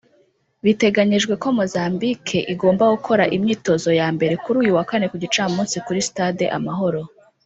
Biteganyijwe ko Mozambique igomba gukora imyitozo ya mbere kuri uyu wa Kane ku gicamunsi kuri Stade Amahoro